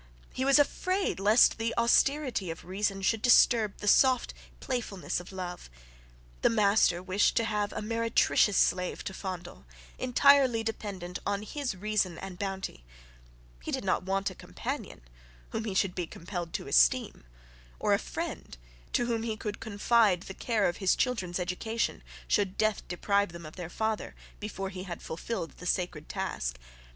He was afraid lest the austerity of reason should disturb the soft playfulness of love. The master wished to have a meretricious slave to fondle, entirely dependent on his reason and bounty; he did not want a companion, whom he should be compelled to esteem, or a friend to whom he could confide the care of his children's education, should death deprive them of their father, before he had fulfilled the sacred task.